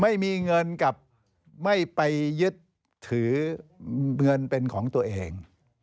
ไม่มีเงินกับไม่ไปยึดถือเงินเป็นของตัวเอง